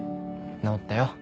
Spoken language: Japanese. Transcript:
直ったよ。